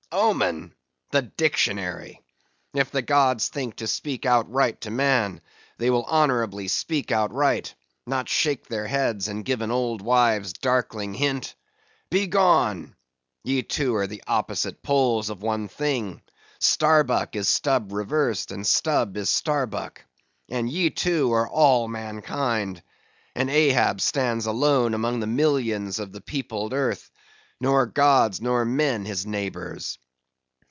omen?—the dictionary! If the gods think to speak outright to man, they will honorably speak outright; not shake their heads, and give an old wives' darkling hint.—Begone! Ye two are the opposite poles of one thing; Starbuck is Stubb reversed, and Stubb is Starbuck; and ye two are all mankind; and Ahab stands alone among the millions of the peopled earth, nor gods nor men his neighbors!